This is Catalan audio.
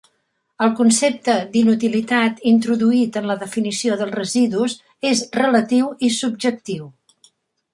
El concepte d'inutilitat introduït en la definició dels residus és relatiu i subjectiu.